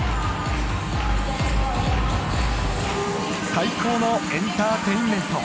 最高のエンターテインメント